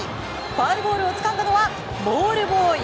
ファウルボールをつかんだのはボールボーイ。